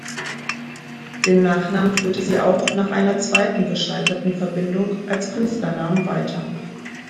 Den Nachnamen führte sie auch nach einer zweiten gescheiterten Verbindung als Künstlernamen weiter.